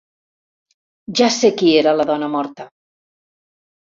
Ja sé qui era la dona morta!